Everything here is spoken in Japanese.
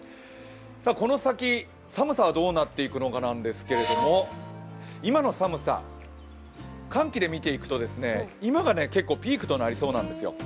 この先、寒さはどうなっていくのかなんですが、今の寒さ、寒気で見ていくと今が結構ピークとなりそうなんですよ。